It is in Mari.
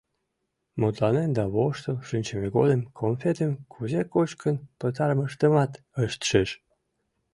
Мутланен да воштыл шинчыме годым конфетым кузе кочкын пытарымыштымат ышт шиж.